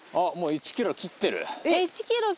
１ｋｍ切ってる。